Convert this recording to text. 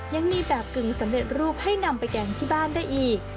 ยังมีแบบกึ่งสำเร็จรูปให้นำไปแกงที่บ้านได้อีก